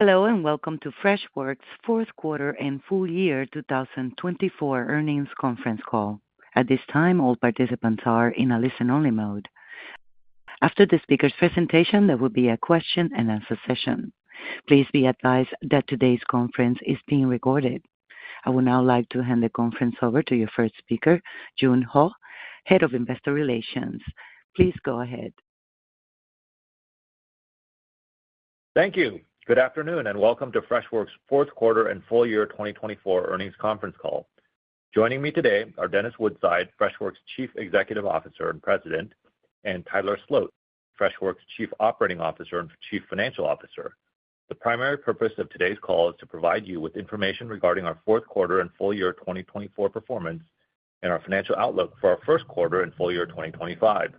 Hello, and welcome to Freshworks' Q4 and Full Year 2024 Earnings Conference Call. At this time, all participants are in a listen-only mode. After the speaker's presentation, there will be a question-and-answer session. Please be advised that today's conference is being recorded. I would now like to hand the conference over to your first speaker, Joon Huh, Head of Investor Relations. Please go ahead. Thank you. Good afternoon, and welcome to Freshworks' Q4 and Full Year 2024 Earnings Conference Call. Joining me today are Dennis Woodside, Freshworks Chief Executive Officer and President, and Tyler Sloat, Freshworks Chief Operating Officer and Chief Financial Officer. The primary purpose of today's call is to provide you with information regarding our Q4 and full year 2024 performance and our financial outlook for our Q1 and full year 2025.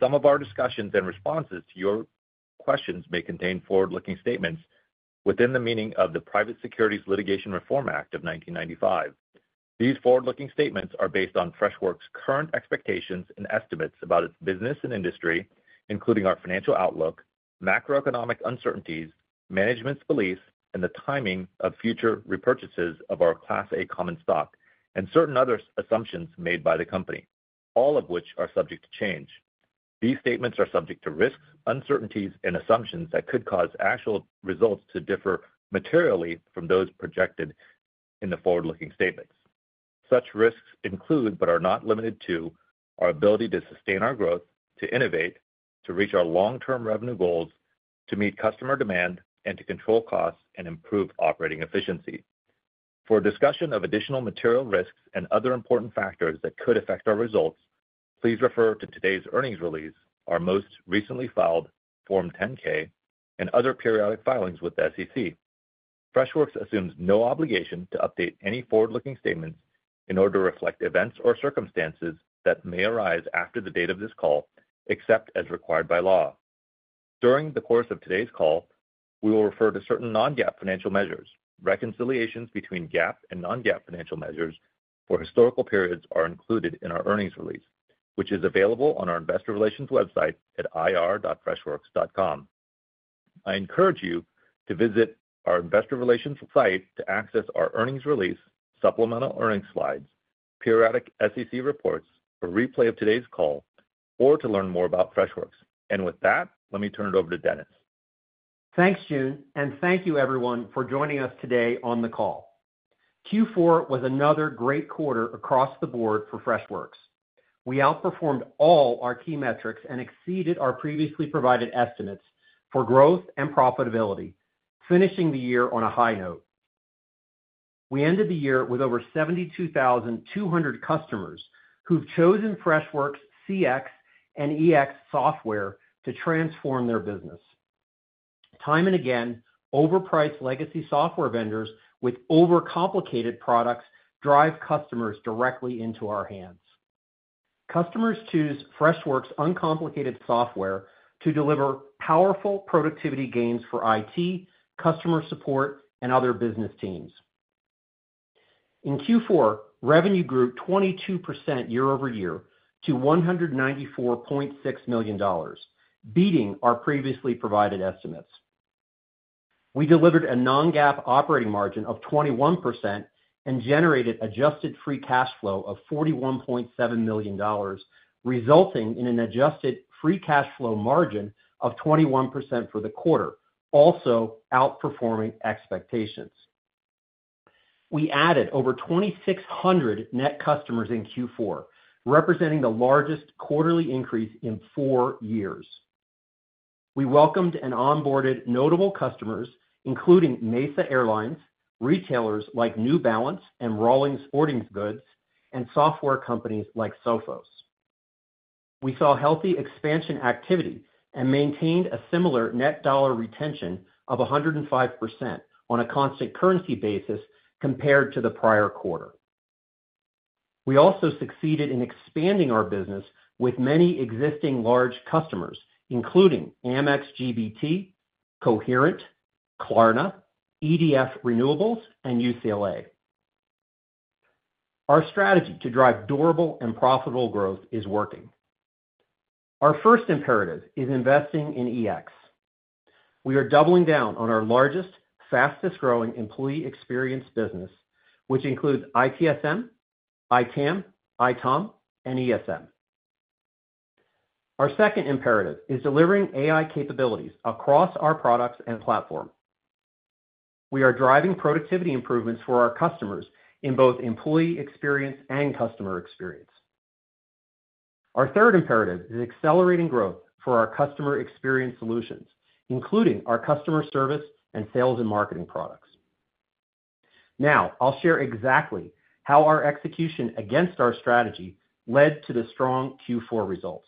Some of our discussions and responses to your questions may contain forward-looking statements within the meaning of the Private Securities Litigation Reform Act of 1995. These forward-looking statements are based on Freshworks' current expectations and estimates about its business and industry, including our financial outlook, macroeconomic uncertainties, management's beliefs, and the timing of future repurchases of our Class A common stock, and certain other assumptions made by the company, all of which are subject to change. These statements are subject to risks, uncertainties, and assumptions that could cause actual results to differ materially from those projected in the forward-looking statements. Such risks include, but are not limited to, our ability to sustain our growth, to innovate, to reach our long-term revenue goals, to meet customer demand, and to control costs and improve operating efficiency. For discussion of additional material risks and other important factors that could affect our results, please refer to today's earnings release, our most recently filed Form 10-K, and other periodic filings with the SEC. Freshworks assumes no obligation to update any forward-looking statements in order to reflect events or circumstances that may arise after the date of this call, except as required by law. During the course of today's call, we will refer to certain non-GAAP financial measures. Reconciliations between GAAP and non-GAAP financial measures for historical periods are included in our earnings release, which is available on our Investor Relations website at ir.freshworks.com. I encourage you to visit our Investor Relations website to access our earnings release, supplemental earnings slides, periodic SEC reports, a replay of today's call, or to learn more about Freshworks, and with that, let me turn it over to Dennis. Thanks, Joon, and thank you, everyone, for joining us today on the call. Q4 was another great quarter across the board for Freshworks. We outperformed all our key metrics and exceeded our previously provided estimates for growth and profitability, finishing the year on a high note. We ended the year with over 72,200 customers who've chosen Freshworks' CX and EX software to transform their business. Time and again, overpriced legacy software vendors with overcomplicated products drive customers directly into our hands. Customers choose Freshworks' uncomplicated software to deliver powerful productivity gains for IT, customer support, and other business teams. In Q4, revenue grew 22% year over year to $194.6 million, beating our previously provided estimates. We delivered a non-GAAP operating margin of 21% and generated adjusted free cash flow of $41.7 million, resulting in an adjusted free cash flow margin of 21% for the quarter, also outperforming expectations. We added over 2,600 net customers in Q4, representing the largest quarterly increase in four years. We welcomed and onboarded notable customers, including Mesa Airlines, retailers like New Balance and Rawlings Sporting Goods, and software companies like Sophos. We saw healthy expansion activity and maintained a similar net dollar retention of 105% on a constant currency basis compared to the prior quarter. We also succeeded in expanding our business with many existing large customers, including AMEX GBT, Coherent, Klarna, EDF Renewables, and UCLA. Our strategy to drive durable and profitable growth is working. Our first imperative is investing in EX. We are doubling down on our largest, fastest-growing employee experience business, which includes ITSM, ITAM, ITOM, and ESM. Our second imperative is delivering AI capabilities across our products and platform. We are driving productivity improvements for our customers in both employee experience and customer experience. Our third imperative is accelerating growth for our customer experience solutions, including our customer service and sales and marketing products. Now, I'll share exactly how our execution against our strategy led to the strong Q4 results.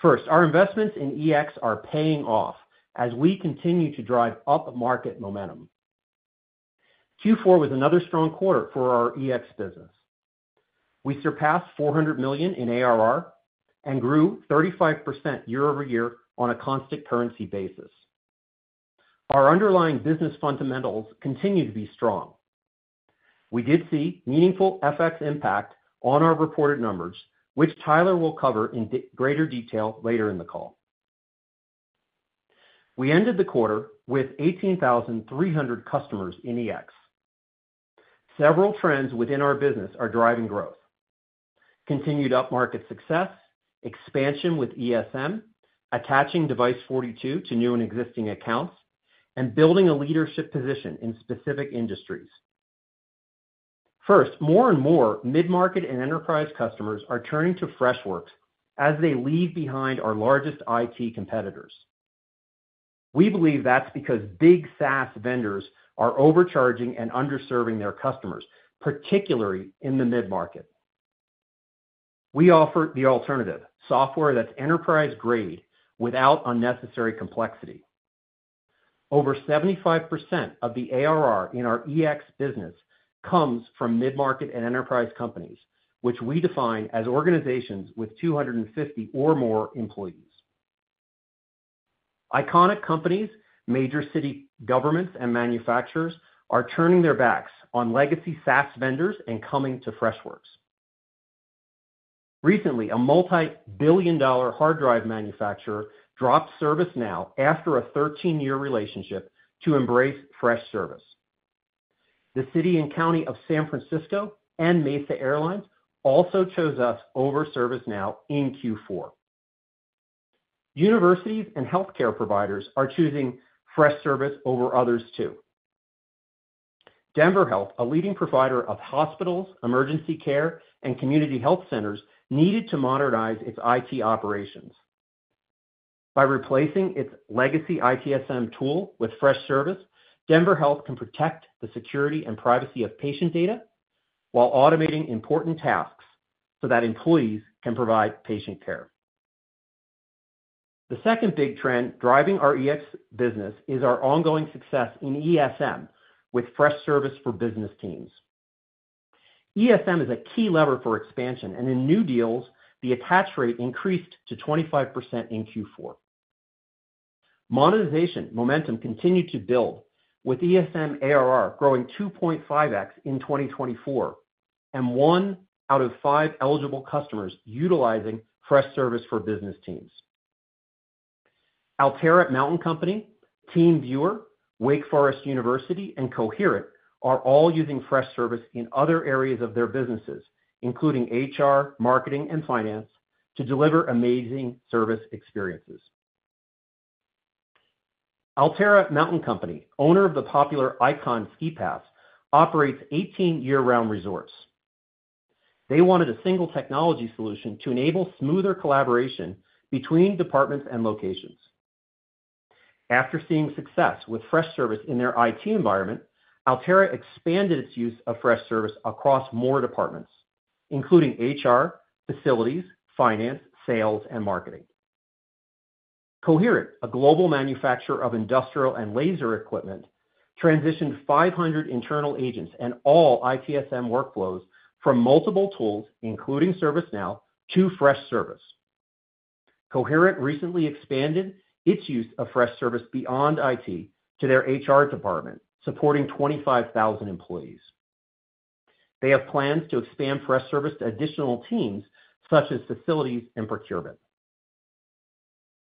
First, our investments in EX are paying off as we continue to drive up market momentum. Q4 was another strong quarter for our EX business. We surpassed $400 million in ARR and grew 35% year-over-year on a constant currency basis. Our underlying business fundamentals continue to be strong. We did see meaningful FX impact on our reported numbers, which Tyler will cover in greater detail later in the call. We ended the quarter with 18,300 customers in EX. Several trends within our business are driving growth: continued upmarket success, expansion with ESM, attaching Device42 to new and existing accounts, and building a leadership position in specific industries. First, more and more mid-market and enterprise customers are turning to Freshworks as they leave behind our largest IT competitors. We believe that's because big SaaS vendors are overcharging and underserving their customers, particularly in the mid-market. We offer the alternative: software that's enterprise-grade without unnecessary complexity. Over 75% of the ARR in our EX business comes from mid-market and enterprise companies, which we define as organizations with 250 or more employees. Iconic companies, major city governments, and manufacturers are turning their backs on legacy SaaS vendors and coming to Freshworks. Recently, a multi-billion-dollar hard drive manufacturer dropped ServiceNow after a 13-year relationship to embrace Freshservice. The City and County of San Francisco and Mesa Airlines also chose us over ServiceNow in Q4. Universities and healthcare providers are choosing Freshservice over others too. Denver Health, a leading provider of hospitals, emergency care, and community health centers, needed to modernize its IT operations. By replacing its legacy ITSM tool with Freshservice, Denver Health can protect the security and privacy of patient data while automating important tasks so that employees can provide patient care. The second big trend driving our EX business is our ongoing success in ESM with Freshservice for business teams. ESM is a key lever for expansion, and in new deals, the attach rate increased to 25% in Q4. Monetization momentum continued to build, with ESM ARR growing 2.5x in 2024 and one out of five eligible customers utilizing Freshservice for business teams. Alterra Mountain Company, TeamViewer, Wake Forest University, and Coherent are all using Freshservice in other areas of their businesses, including HR, marketing, and finance, to deliver amazing service experiences. Alterra Mountain Company, owner of the popular Ikon Pass, operates 18 year-round resorts. They wanted a single technology solution to enable smoother collaboration between departments and locations. After seeing success with Freshservice in their IT environment, Alterra expanded its use of Freshservice across more departments, including HR, facilities, finance, sales, and marketing. Coherent, a global manufacturer of industrial and laser equipment, transitioned 500 internal agents and all ITSM workflows from multiple tools, including ServiceNow, to Freshservice. Coherent recently expanded its use of Freshservice beyond IT to their HR department, supporting 25,000 employees. They have plans to expand Freshservice to additional teams such as facilities and procurement.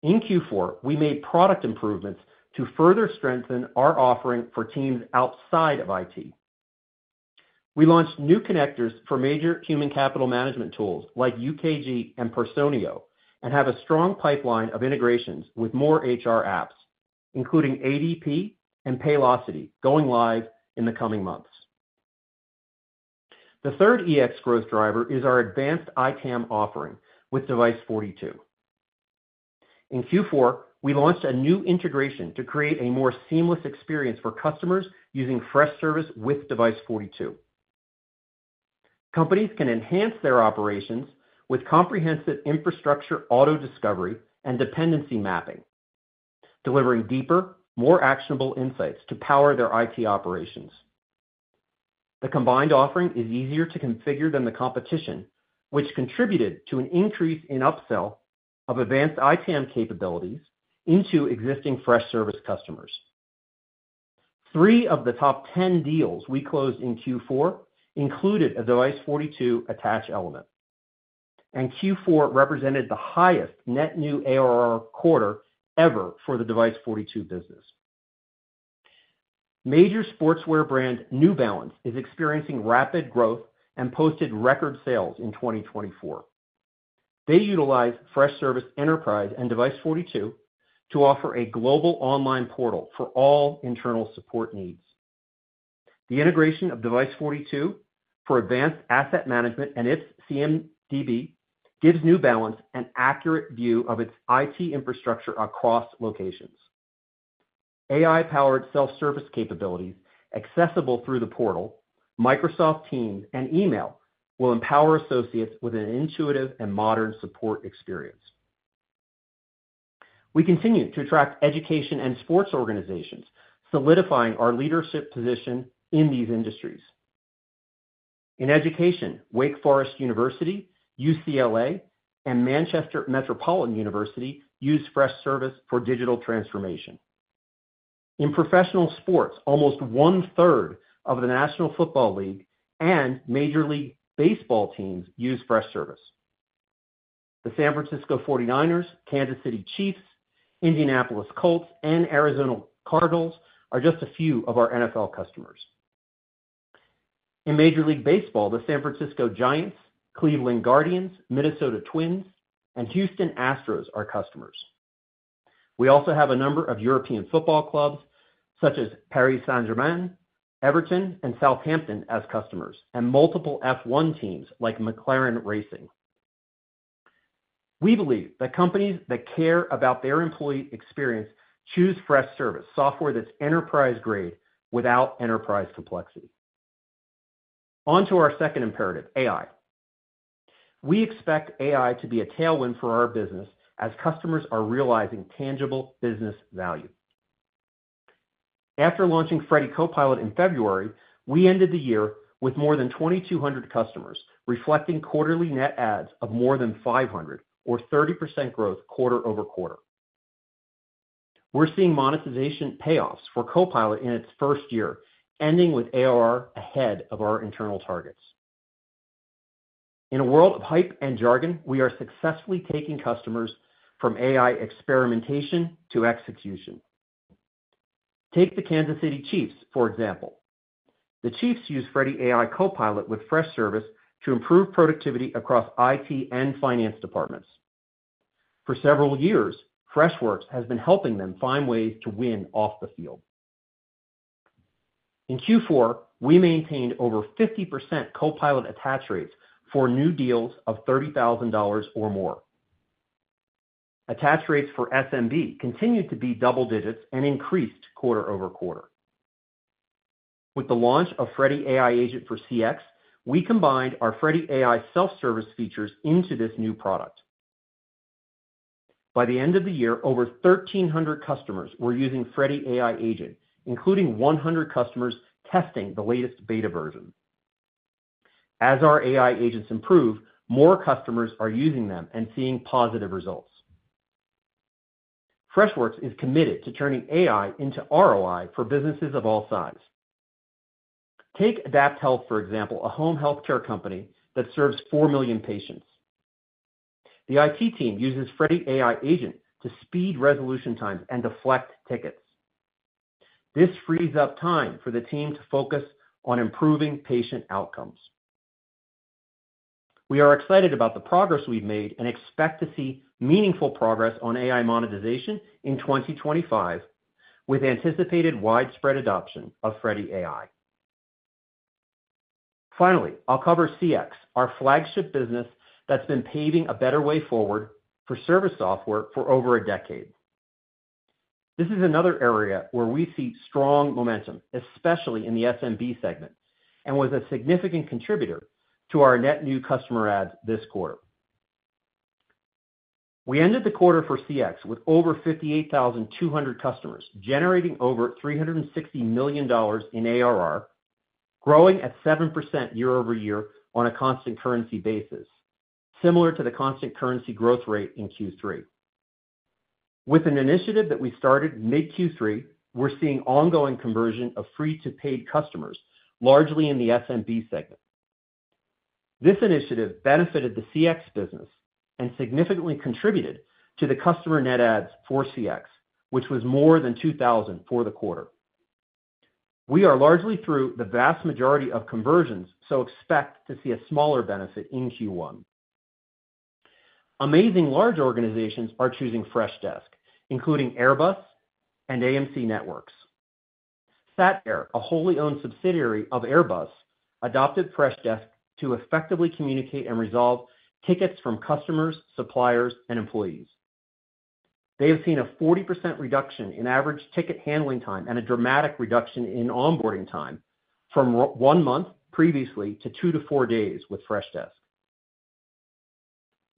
In Q4, we made product improvements to further strengthen our offering for teams outside of IT. We launched new connectors for major human capital management tools like UKG and Personio and have a strong pipeline of integrations with more HR apps, including ADP and Paylocity, going live in the coming months. The third EX growth driver is our advanced ITAM offering with Device42. In Q4, we launched a new integration to create a more seamless experience for customers using Freshservice with Device42. Companies can enhance their operations with comprehensive infrastructure auto-discovery and dependency mapping, delivering deeper, more actionable insights to power their IT operations. The combined offering is easier to configure than the competition, which contributed to an increase in upsell of advanced ITAM capabilities into existing Freshservice customers. Three of the top 10 deals we closed in Q4 included a Device42 attach element, and Q4 represented the highest net new ARR quarter ever for the Device42 business. Major sportswear brand New Balance is experiencing rapid growth and posted record sales in 2024. They utilize Freshservice Enterprise and Device42 to offer a global online portal for all internal support needs. The integration of Device42 for advanced asset management and its CMDB gives New Balance an accurate view of its IT infrastructure across locations. AI-powered self-service capabilities accessible through the portal, Microsoft Teams, and email will empower associates with an intuitive and modern support experience. We continue to attract education and sports organizations, solidifying our leadership position in these industries. In education, Wake Forest University, UCLA, and Manchester Metropolitan University use Freshservice for digital transformation. In professional sports, almost 1/3 of the National Football League and Major League Baseball teams use Freshservice. The San Francisco 49ers, Kansas City Chiefs, Indianapolis Colts, and Arizona Cardinals are just a few of our NFL customers. In Major League Baseball, the San Francisco Giants, Cleveland Guardians, Minnesota Twins, and Houston Astros are customers. We also have a number of European football clubs such as Paris Saint-Germain, Everton, and Southampton as customers, and multiple F1 teams like McLaren Racing. We believe that companies that care about their employee experience choose Freshservice, software that's enterprise-grade without enterprise complexity. On to our second imperative, AI. We expect AI to be a tailwind for our business as customers are realizing tangible business value. After launching Freddy Copilot in February, we ended the year with more than 2,200 customers, reflecting quarterly net adds of more than 500, or 30% growth quarter-over-quarter. We're seeing monetization payoffs for Copilot in its first year, ending with ARR ahead of our internal targets. In a world of hype and jargon, we are successfully taking customers from AI experimentation to execution. Take the Kansas City Chiefs, for example. The Chiefs use Freddy Copilot with Freshservice to improve productivity across IT and finance departments. For several years, Freshworks has been helping them find ways to win off the field. In Q4, we maintained over 50% Copilot attach rates for new deals of $30,000 or more. Attach rates for SMB continued to be double digits and increased quarter-over-quarter. With the launch of Freddy AI Agent for CX, we combined our Freddy AI self-service features into this new product. By the end of the year, over 1,300 customers were using Freddy AI Agent, including 100 customers testing the latest beta version. As our AI agents improve, more customers are using them and seeing positive results. Freshworks is committed to turning AI into ROI for businesses of all sizes. Take AdaptHealth, for example, a home healthcare company that serves four million patients. The IT team uses Freddy AI Agent to speed resolution times and deflect tickets. This frees up time for the team to focus on improving patient outcomes. We are excited about the progress we've made and expect to see meaningful progress on AI monetization in 2025, with anticipated widespread adoption of Freddy AI. Finally, I'll cover CX, our flagship business that's been paving a better way forward for service software for over a decade. This is another area where we see strong momentum, especially in the SMB segment, and was a significant contributor to our net new customer adds this quarter. We ended the quarter for CX with over 58,200 customers, generating over $360 million in ARR, growing at 7% year over year on a constant currency basis, similar to the constant currency growth rate in Q3. With an initiative that we started mid-Q3, we're seeing ongoing conversion of free-to-paid customers, largely in the SMB segment. This initiative benefited the CX business and significantly contributed to the customer net adds for CX, which was more than 2,000 for the quarter. We are largely through the vast majority of conversions, so expect to see a smaller benefit in Q1. Amazing large organizations are choosing Freshdesk, including Airbus and AMC Networks. Satair, a wholly owned subsidiary of Airbus, adopted Freshdesk to effectively communicate and resolve tickets from customers, suppliers, and employees. They have seen a 40% reduction in average ticket handling time and a dramatic reduction in onboarding time from one month previously to two to four days with Freshdesk.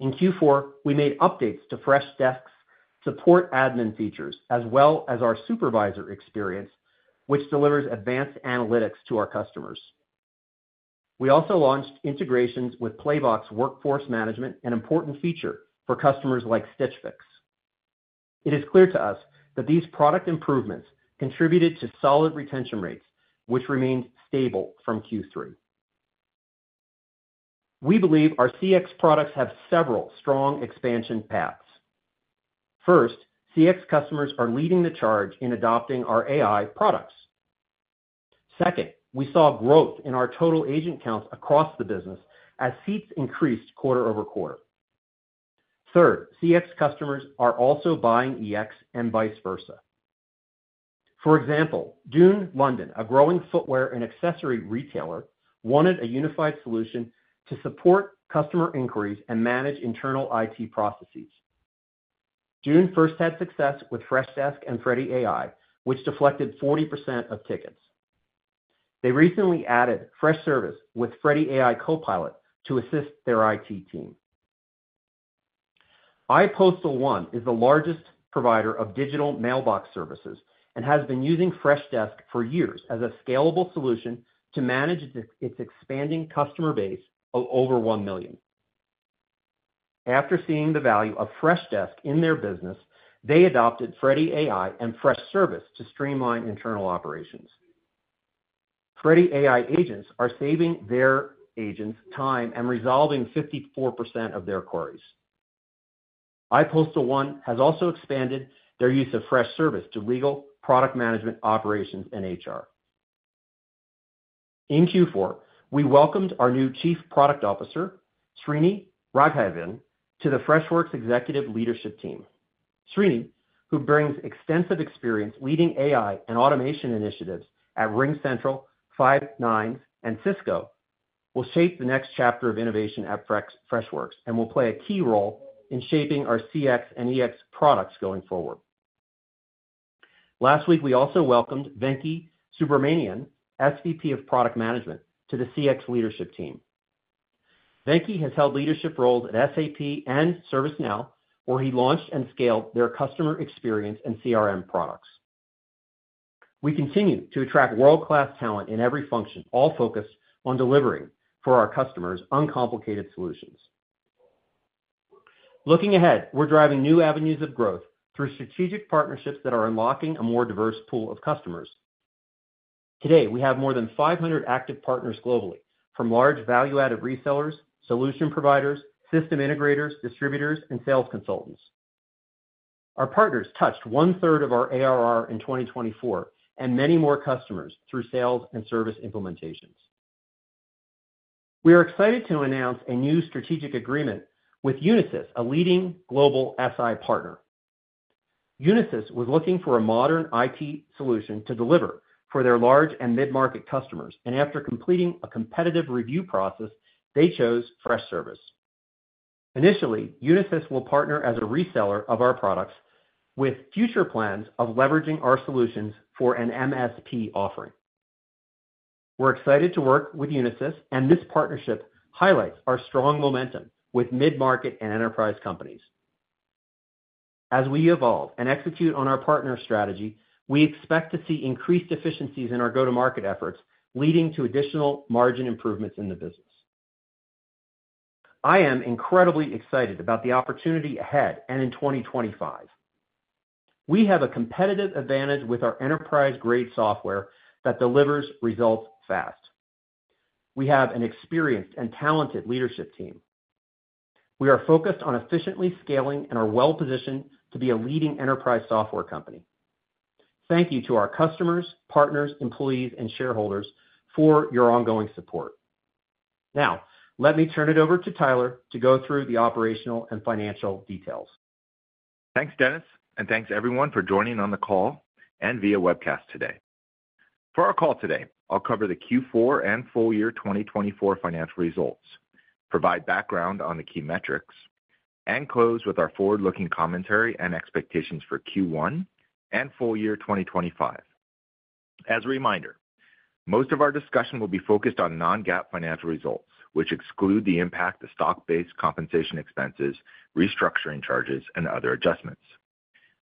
In Q4, we made updates to Freshdesk's support admin features, as well as our supervisor experience, which delivers advanced analytics to our customers. We also launched integrations with Playvox Workforce Management, an important feature for customers like Stitch Fix. It is clear to us that these product improvements contributed to solid retention rates, which remained stable from Q3. We believe our CX products have several strong expansion paths. First, CX customers are leading the charge in adopting our AI products. Second, we saw growth in our total agent counts across the business as seats increased quarter-over-quarter. Third, CX customers are also buying EX and vice versa. For example, Dune London, a growing footwear and accessory retailer, wanted a unified solution to support customer inquiries and manage internal IT processes. Dune first had success with Freshdesk and Freddy AI, which deflected 40% of tickets. They recently added Freshservice with Freddy AI Copilot to assist their IT team. iPostal1 is the largest provider of digital mailbox services and has been using Freshdesk for years as a scalable solution to manage its expanding customer base of over one million. After seeing the value of Freshdesk in their business, they adopted Freddy AI and Freshservice to streamline internal operations. Freddy AI agents are saving their agents time and resolving 54% of their queries. iPostal1 has also expanded their use of Freshservice to legal product management operations and HR. In Q4, we welcomed our new Chief Product Officer, Srini Raghavan, to the Freshworks Executive Leadership Team. Srini, who brings extensive experience leading AI and automation initiatives at RingCentral, Five9, and Cisco, will shape the next chapter of innovation at Freshworks and will play a key role in shaping our CX and EX products going forward. Last week, we also welcomed Venki Subramanian, SVP of Product Management, to the CX Leadership Team. Venki has held leadership roles at SAP and ServiceNow, where he launched and scaled their customer experience and CRM products. We continue to attract world-class talent in every function, all focused on delivering for our customers uncomplicated solutions. Looking ahead, we're driving new avenues of growth through strategic partnerships that are unlocking a more diverse pool of customers. Today, we have more than 500 active partners globally, from large value-added resellers, solution providers, system integrators, distributors, and sales consultants. Our partners touched 1/3 of our ARR in 2024 and many more customers through sales and service implementations. We are excited to announce a new strategic agreement with Unisys, a leading global SI partner. Unisys was looking for a modern IT solution to deliver for their large and mid-market customers, and after completing a competitive review process, they chose Freshservice. Initially, Unisys will partner as a reseller of our products with future plans of leveraging our solutions for an MSP offering. We're excited to work with Unisys, and this partnership highlights our strong momentum with mid-market and enterprise companies. As we evolve and execute on our partner strategy, we expect to see increased efficiencies in our go-to-market efforts, leading to additional margin improvements in the business. I am incredibly excited about the opportunity ahead and in 2025. We have a competitive advantage with our enterprise-grade software that delivers results fast. We have an experienced and talented leadership team. We are focused on efficiently scaling and are well-positioned to be a leading enterprise software company. Thank you to our customers, partners, employees, and shareholders for your ongoing support. Now, let me turn it over to Tyler to go through the operational and financial details. Thanks, Dennis, and thanks everyone for joining on the call and via webcast today. For our call today, I'll cover the Q4 and full year 2024 financial results, provide background on the key metrics, and close with our forward-looking commentary and expectations for Q1 and full year 2025. As a reminder, most of our discussion will be focused on non-GAAP financial results, which exclude the impact of stock-based compensation expenses, restructuring charges, and other adjustments.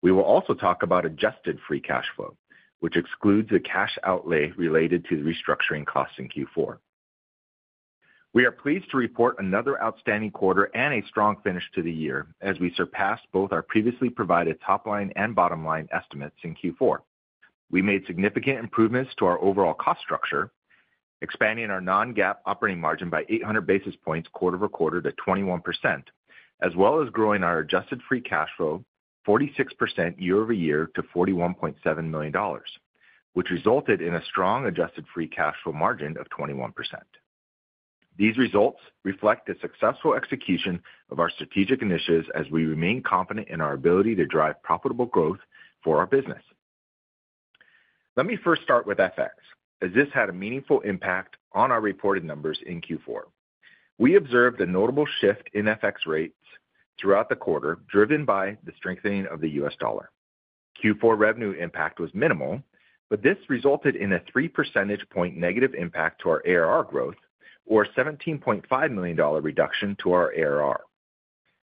We will also talk about adjusted free cash flow, which excludes the cash outlay related to the restructuring costs in Q4. We are pleased to report another outstanding quarter and a strong finish to the year as we surpassed both our previously provided top-line and bottom-line estimates in Q4. We made significant improvements to our overall cost structure, expanding our non-GAAP operating margin by 800 basis points quarter-over-quarter to 21%, as well as growing our adjusted free cash flow 46% year over year to $41.7 million, which resulted in a strong adjusted free cash flow margin of 21%. These results reflect the successful execution of our strategic initiatives as we remain confident in our ability to drive profitable growth for our business. Let me first start with FX, as this had a meaningful impact on our reported numbers in Q4. We observed a notable shift in FX rates throughout the quarter, driven by the strengthening of the U.S. dollar. Q4 revenue impact was minimal, but this resulted in a 3 percentage point negative impact to our ARR growth, or a $17.5 million reduction to our ARR.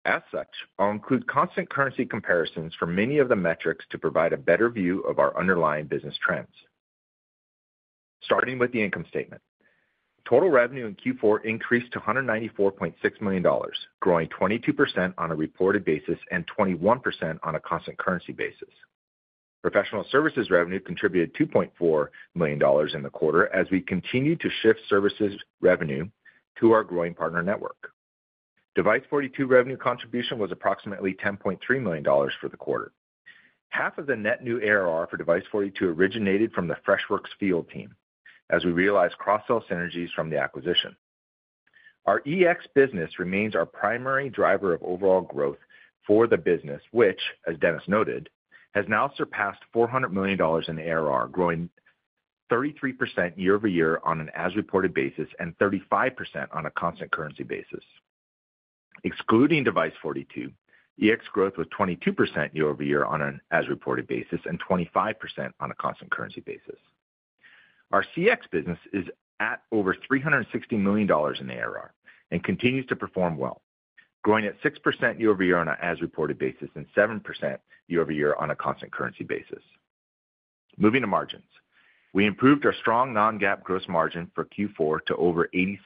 As such, I'll include constant currency comparisons for many of the metrics to provide a better view of our underlying business trends. Starting with the income statement, total revenue in Q4 increased to $194.6 million, growing 22% on a reported basis and 21% on a constant currency basis. Professional services revenue contributed $2.4 million in the quarter as we continued to shift services revenue to our growing partner network. Device42 revenue contribution was approximately $10.3 million for the quarter. Half of the net new ARR for Device42 originated from the Freshworks field team, as we realized cross-sell synergies from the acquisition. Our EX business remains our primary driver of overall growth for the business, which, as Dennis noted, has now surpassed $400 million in ARR, growing 33% year over year on an as-reported basis and 35% on a constant currency basis. Excluding Device42, EX growth was 22% year over year on an as-reported basis and 25% on a constant currency basis. Our CX business is at over $360 million in ARR and continues to perform well, growing at 6% year over year on an as-reported basis and 7% year over year on a constant currency basis. Moving to margins, we improved our strong non-GAAP gross margin for Q4 to over 86%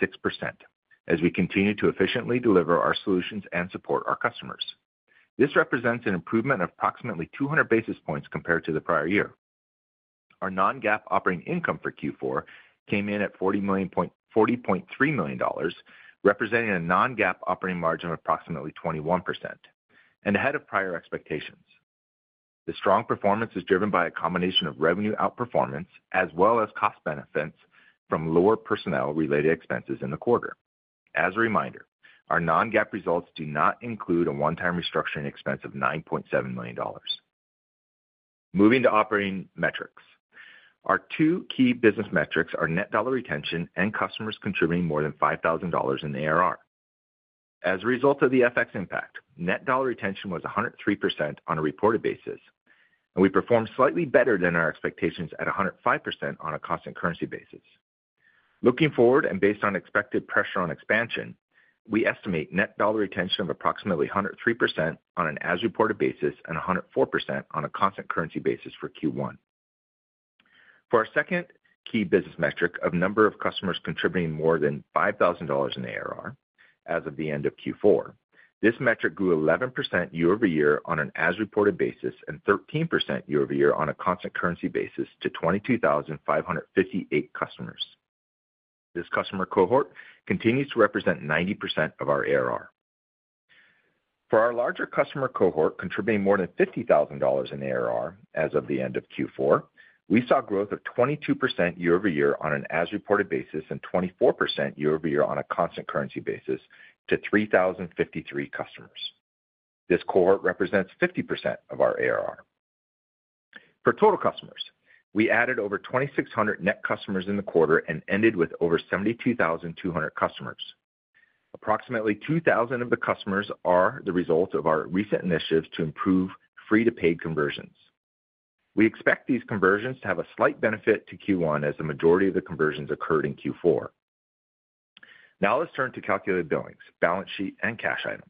as we continue to efficiently deliver our solutions and support our customers. This represents an improvement of approximately 200 basis points compared to the prior year. Our non-GAAP operating income for Q4 came in at $40.3 million, representing a non-GAAP operating margin of approximately 21% and ahead of prior expectations. The strong performance is driven by a combination of revenue outperformance as well as cost benefits from lower personnel-related expenses in the quarter. As a reminder, our non-GAAP results do not include a one-time restructuring expense of $9.7 million. Moving to operating metrics, our two key business metrics are net dollar retention and customers contributing more than $5,000 in ARR. As a result of the FX impact, net dollar retention was 103% on a reported basis, and we performed slightly better than our expectations at 105% on a constant currency basis. Looking forward and based on expected pressure on expansion, we estimate net dollar retention of approximately 103% on an as-reported basis and 104% on a constant currency basis for Q1. For our second key business metric of number of customers contributing more than $5,000 in ARR as of the end of Q4, this metric grew 11% year over year on an as-reported basis and 13% year over year on a constant currency basis to 22,558 customers. This customer cohort continues to represent 90% of our ARR. For our larger customer cohort contributing more than $50,000 in ARR as of the end of Q4, we saw growth of 22% year over year on an as-reported basis and 24% year over year on a constant currency basis to 3,053 customers. This cohort represents 50% of our ARR. For total customers, we added over 2,600 net customers in the quarter and ended with over 72,200 customers. Approximately 2,000 of the customers are the result of our recent initiatives to improve free-to-pay conversions. We expect these conversions to have a slight benefit to Q1 as the majority of the conversions occurred in Q4. Now let's turn to calculated billings, balance sheet, and cash items.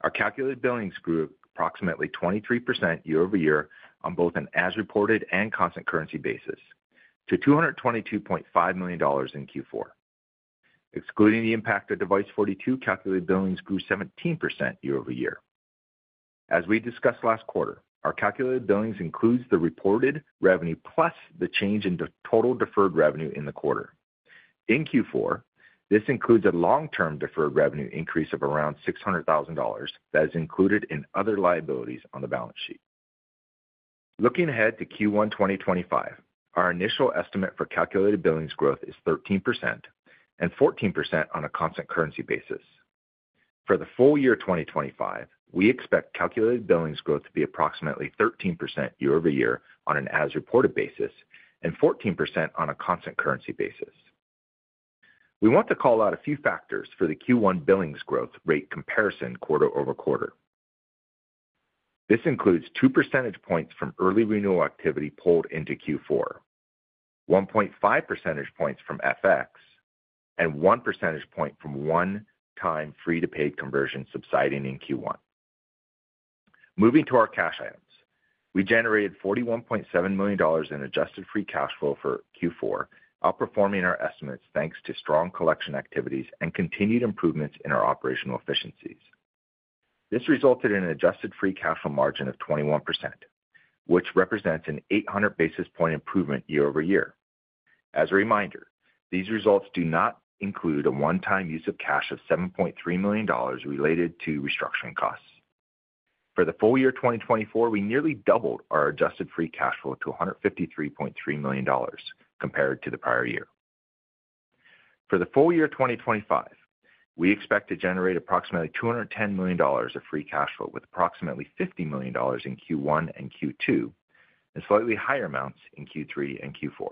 Our calculated billings grew approximately 23% year-over-year on both an as-reported and constant currency basis to $222.5 million in Q4. Excluding the impact of Device42, calculated billings grew 17% year-over-year. As we discussed last quarter, our calculated billings includes the reported revenue plus the change in total deferred revenue in the quarter. In Q4, this includes a long-term deferred revenue increase of around $600,000 that is included in other liabilities on the balance sheet. Looking ahead to Q1 2025, our initial estimate for calculated billings growth is 13% and 14% on a constant currency basis. For the full year 2025, we expect calculated billings growth to be approximately 13% year-over-year on an as-reported basis and 14% on a constant currency basis. We want to call out a few factors for the Q1 billings growth rate comparison quarter-over-quarter. This includes 2 percentage points from early renewal activity pulled into Q4, 1.5 percentage points from FX, and 1 percentage point from one-time free-to-pay conversion subsiding in Q1. Moving to our cash items, we generated $41.7 million in adjusted free cash flow for Q4, outperforming our estimates thanks to strong collection activities and continued improvements in our operational efficiencies. This resulted in an adjusted free cash flow margin of 21%, which represents an 800 basis point improvement year over year. As a reminder, these results do not include a one-time use of cash of $7.3 million related to restructuring costs. For the full year 2024, we nearly doubled our adjusted free cash flow to $153.3 million compared to the prior year. For the full year 2025, we expect to generate approximately $210 million of free cash flow with approximately $50 million in Q1 and Q2 and slightly higher amounts in Q3 and Q4.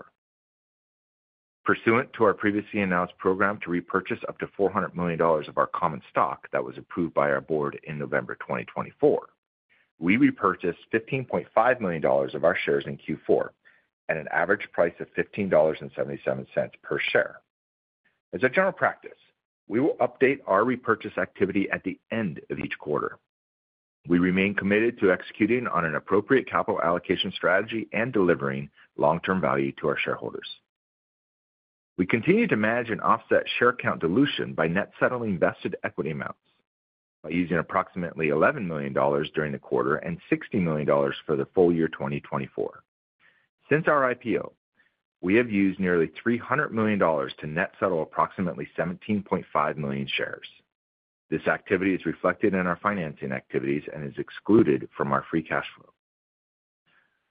Pursuant to our previously announced program to repurchase up to $400 million of our common stock that was approved by our board in November 2024, we repurchased $15.5 million of our shares in Q4 at an average price of $15.77 per share. As a general practice, we will update our repurchase activity at the end of each quarter. We remain committed to executing on an appropriate capital allocation strategy and delivering long-term value to our shareholders. We continue to manage and offset share account dilution by net settling vested equity amounts by using approximately $11 million during the quarter and $60 million for the full year 2024. Since our IPO, we have used nearly $300 million to net settle approximately 17.5 million shares. This activity is reflected in our financing activities and is excluded from our free cash flow.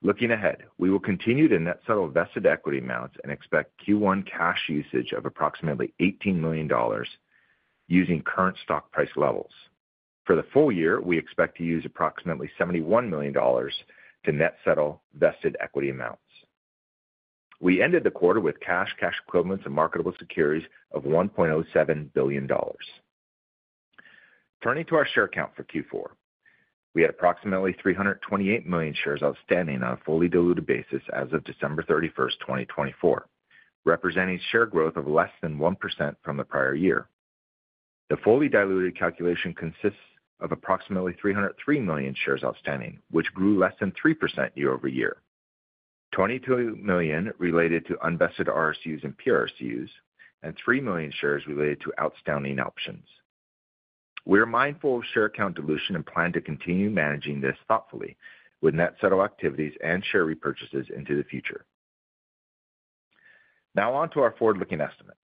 Looking ahead, we will continue to net settle vested equity amounts and expect Q1 cash usage of approximately $18 million using current stock price levels. For the full year, we expect to use approximately $71 million to net settle vested equity amounts. We ended the quarter with cash, cash equivalents, and marketable securities of $1.07 billion. Turning to our share count for Q4, we had approximately 328 million shares outstanding on a fully diluted basis as of December 31, 2024, representing share growth of less than 1% from the prior year. The fully diluted calculation consists of approximately 303 million shares outstanding, which grew less than 3% year over year, 22 million related to unvested RSUs and PRSUs, and 3 million shares related to outstanding options. We are mindful of share count dilution and plan to continue managing this thoughtfully with net settle activities and share repurchases into the future. Now on to our forward-looking estimates.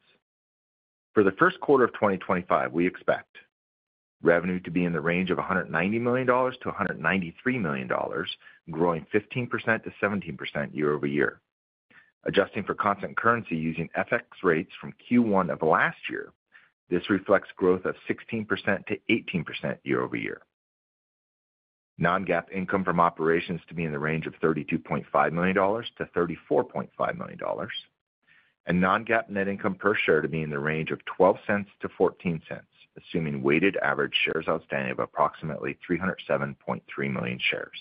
For the Q1 of 2025, we expect revenue to be in the range of $190 to 193 million, growing 15% to 17% year over year. Adjusting for constant currency using FX rates from Q1 of last year, this reflects growth of 16% to 18% year over year. Non-GAAP income from operations to be in the range of $32.5 to $34.5 million, and non-GAAP net income per share to be in the range of $0.12 to $0.14, assuming weighted average shares outstanding of approximately 307.3 million shares.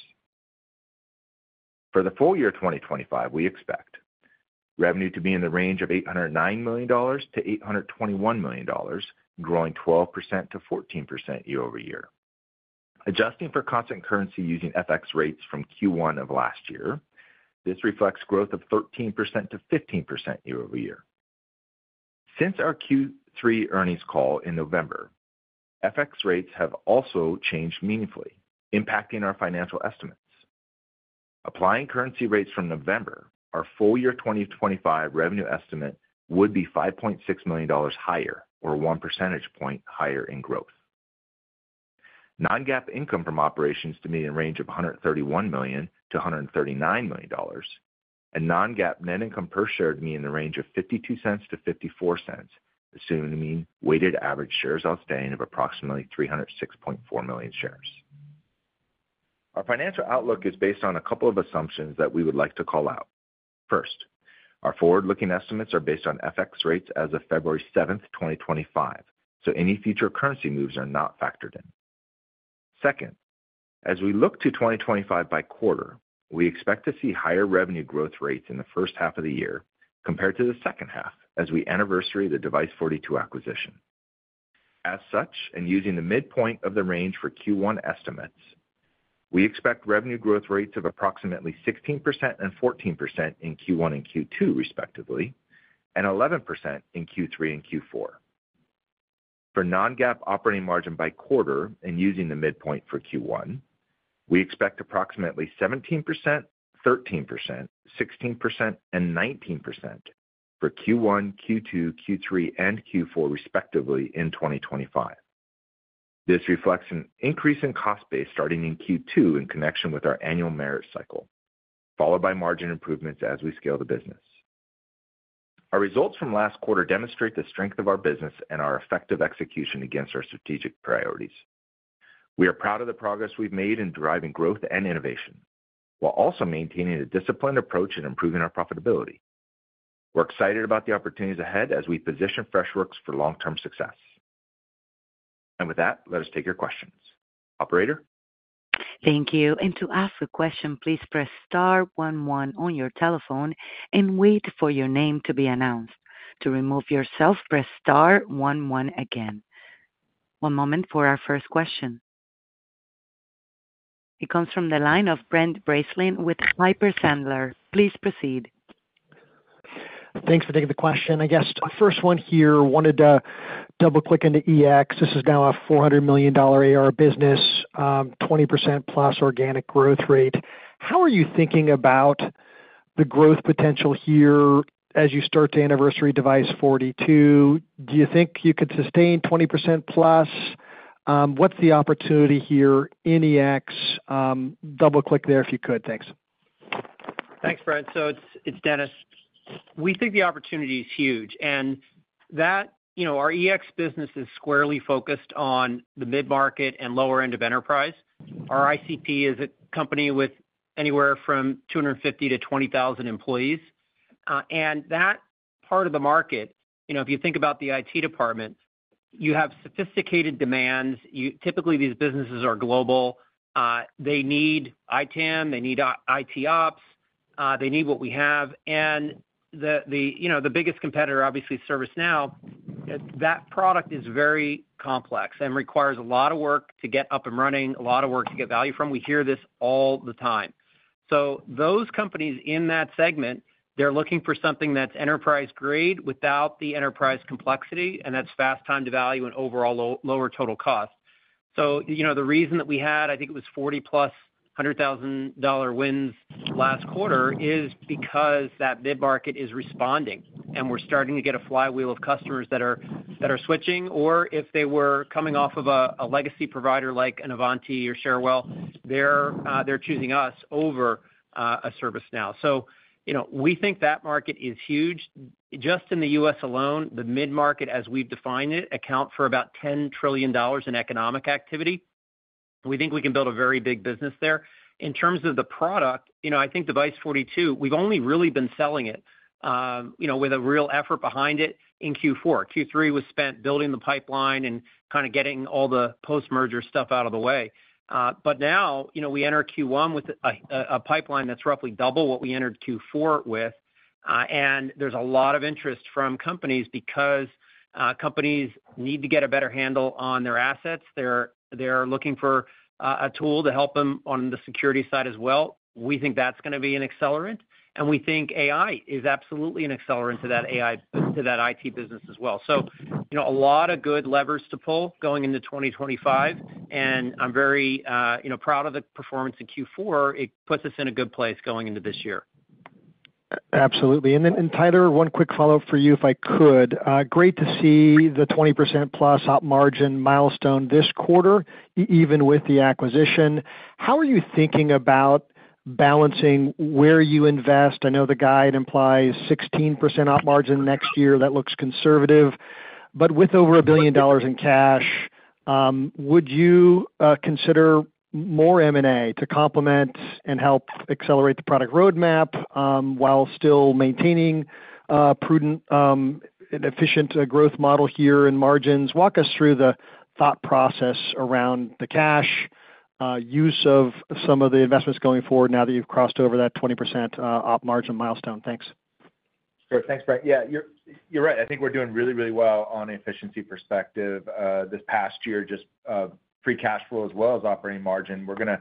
For the full year 2025, we expect revenue to be in the range of $809 million to $821 million, growing 12% to 14% year-over-year. Adjusting for constant currency using FX rates from Q1 of last year, this reflects growth of 13% to 15% year-over-year. Since our Q3 earnings call in November, FX rates have also changed meaningfully, impacting our financial estimates. Applying currency rates from November, our full year 2025 revenue estimate would be $5.6 million higher, or 1 percentage point higher in growth. Non-GAAP income from operations to be in the range of $131 to $139 million, and non-GAAP net income per share to be in the range of $0.52 to $0.54, assuming weighted average shares outstanding of approximately 306.4 million shares. Our financial outlook is based on a couple of assumptions that we would like to call out. First, our forward-looking estimates are based on FX rates as of 7 February 2025, so any future currency moves are not factored in. Second, as we look to 2025 by quarter, we expect to see higher revenue growth rates in the first half of the year compared to the second half as we anniversary the Device42 acquisition. As such, and using the midpoint of the range for Q1 estimates, we expect revenue growth rates of approximately 16% and 14% in Q1 and Q2, respectively, and 11% in Q3 and Q4. For non-GAAP operating margin by quarter and using the midpoint for Q1, we expect approximately 17%, 13%, 16%, and 19% for Q1, Q2, Q3, and Q4, respectively in 2025. This reflects an increase in cost base starting in Q2 in connection with our annual merit cycle, followed by margin improvements as we scale the business. Our results from last quarter demonstrate the strength of our business and our effective execution against our strategic priorities. We are proud of the progress we've made in driving growth and innovation while also maintaining a disciplined approach and improving our profitability. We're excited about the opportunities ahead as we position Freshworks for long-term success. And with that, let us take your questions. Operator? Thank you. And to ask a question, please press star one one on your telephone and wait for your name to be announced. To remove yourself, press star one one again. One moment for our first question. It comes from the line of Brent Bracelin with Piper Sandler. Please proceed. Thanks for taking the question. I guess the first one here, wanted to double-click into EX. This is now a $400 million ARR business, 20% plus organic growth rate. How are you thinking about the growth potential here as you start to anniversary Device42? Do you think you could sustain 20% plus? What's the opportunity here in EX? Double-click there if you could. Thanks. Thanks, Brent. So it's Dennis. We think the opportunity is huge. And our EX business is squarely focused on the mid-market and lower end of enterprise. Our ICP is a company with anywhere from 250 to 20,000 employees. And that part of the market, if you think about the IT department, you have sophisticated demands. Typically, these businesses are global. They need ITAM. They need IT Ops. They need what we have. And the biggest competitor, obviously, ServiceNow, that product is very complex and requires a lot of work to get up and running, a lot of work to get value from. We hear this all the time. So those companies in that segment, they're looking for something that's enterprise-grade without the enterprise complexity, and that's fast time to value and overall lower total cost. So the reason that we had, I think it was 40-plus $100,000 wins last quarter is because that mid-market is responding, and we're starting to get a flywheel of customers that are switching. Or if they were coming off of a legacy provider like an Ivanti or Cherwell, they're choosing us over a ServiceNow. So we think that market is huge. Just in the U.S. alone, the mid-market, as we've defined it, accounts for about $10 trillion in economic activity. We think we can build a very big business there. In terms of the product, I think Device42, we've only really been selling it with a real effort behind it in Q4. Q3 was spent building the pipeline and kind of getting all the post-merger stuff out of the way. But now we enter Q1 with a pipeline that's roughly double what we entered Q4 with. There's a lot of interest from companies because companies need to get a better handle on their assets. They're looking for a tool to help them on the security side as well. We think that's going to be an accelerant. We think AI is absolutely an accelerant to that IT business as well. So a lot of good levers to pull going into 2025. I'm very proud of the performance in Q4. It puts us in a good place going into this year. Absolutely. Tyler, one quick follow-up for you if I could. Great to see the 20% plus up margin milestone this quarter, even with the acquisition. How are you thinking about balancing where you invest? I know the guide implies 16% up margin next year. That looks conservative. But with over $1 billion in cash, would you consider more M&A to complement and help accelerate the product roadmap while still maintaining a prudent and efficient growth model here in margins? Walk us through the thought process around the cash use of some of the investments going forward now that you've crossed over that 20% Op Margin milestone. Thanks. Sure. Thanks, Brent. Yeah, you're right. I think we're doing really, really well on an efficiency perspective this past year, just free cash flow as well as operating margin. We're going to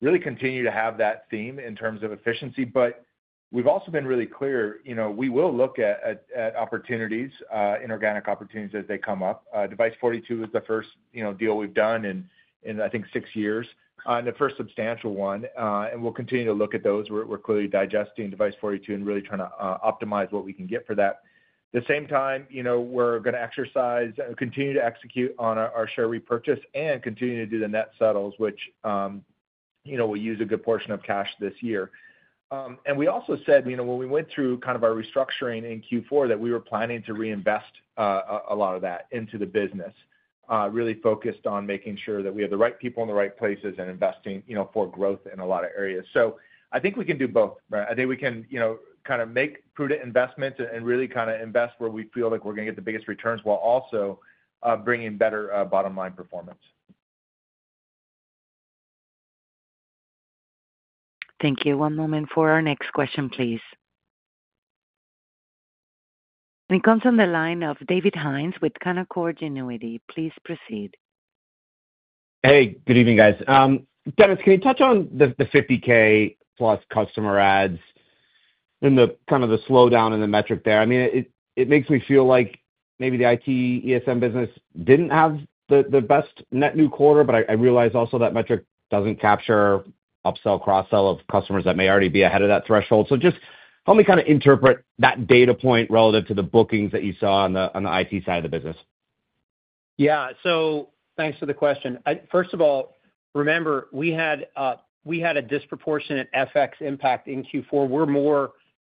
really continue to have that theme in terms of efficiency. But we've also been really clear. We will look at opportunities, inorganic opportunities as they come up. Device42 is the first deal we've done in, I think, six years, and the first substantial one. And we'll continue to look at those. We're clearly digesting Device42 and really trying to optimize what we can get for that. At the same time, we're going to exercise and continue to execute on our share repurchase and continue to do the net settles, which will use a good portion of cash this year. We also said when we went through kind of our restructuring in Q4 that we were planning to reinvest a lot of that into the business, really focused on making sure that we have the right people in the right places and investing for growth in a lot of areas. I think we can do both, Brent. I think we can kind of make prudent investments and really kind of invest where we feel like we're going to get the biggest returns while also bringing better bottom-line performance. Thank you. One moment for our next question, please. It comes from the line of David Hynes with Canaccord Genuity. Please proceed. Hey, good evening, guys. Dennis, can you touch on the 50K plus customer adds and kind of the slowdown in the metric there? I mean, it makes me feel like maybe the IT ESM business didn't have the best net new quarter, but I realize also that metric doesn't capture upsell, cross-sell of customers that may already be ahead of that threshold. So just help me kind of interpret that data point relative to the bookings that you saw on the IT side of the business. Yeah. So thanks for the question. First of all, remember, we had a disproportionate FX impact in Q4. We're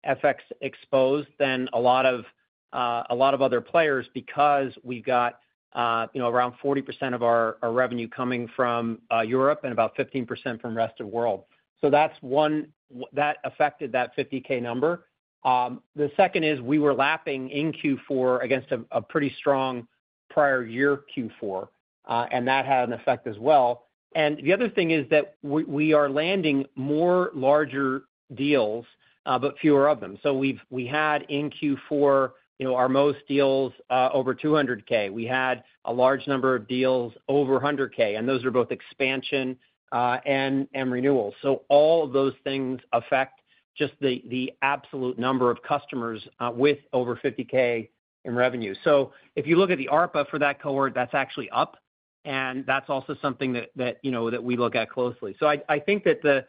more FX exposed than a lot of other players because we've got around 40% of our revenue coming from Europe and about 15% from the rest of the world. So that affected that $50K number. The second is we were lapping in Q4 against a pretty strong prior year Q4, and that had an effect as well. And the other thing is that we are landing more larger deals, but fewer of them. So we had in Q4 our most deals over $200K. We had a large number of deals over $100K, and those are both expansion and renewals. So all of those things affect just the absolute number of customers with over $50K in revenue. So if you look at the ARPA for that cohort, that's actually up, and that's also something that we look at closely. So I think that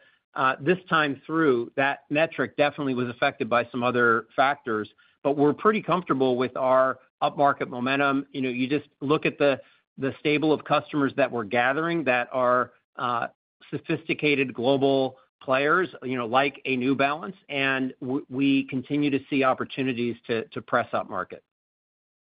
this time through, that metric definitely was affected by some other factors, but we're pretty comfortable with our up market momentum. You just look at the stable of customers that we're gathering that are sophisticated global players like New Balance, and we continue to see opportunities to press up market.